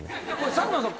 佐久間さん